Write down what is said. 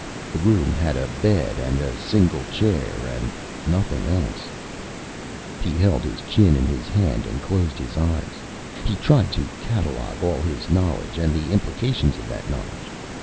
The room had a bed and a single chair, and nothing else. He held his chin in his hand and closed his eyes. He tried to catalogue all his knowledge, and the implications of that knowledge.